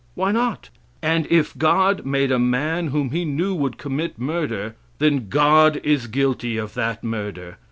Why not? And if God made a man whom He knew would commit murder, then God is guilty of that murder.